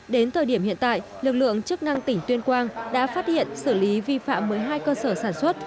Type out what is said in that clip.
đến thời điểm hiện tại lực lượng chức năng tỉnh tuyên quang đã phát hiện xử lý vi phạm một mươi hai cơ sở sản xuất